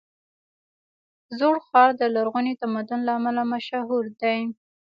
زوړ ښار د لرغوني تمدن له امله مشهور دی.